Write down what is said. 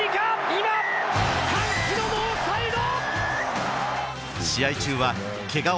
今歓喜のノーサイド！